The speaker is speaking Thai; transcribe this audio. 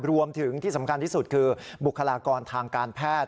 รวมถึงที่สำคัญที่สุดคือบุคลากรทางการแพทย์